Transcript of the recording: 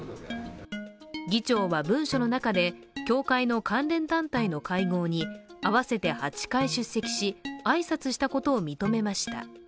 議長は文書の中で教会の関連団体の会合に合わせて８回出席し、挨拶したことを認めました。